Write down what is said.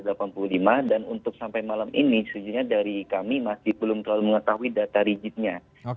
dan untuk sampai malam ini sejujurnya dari kami masih belum terlalu mengetahui data rigidnya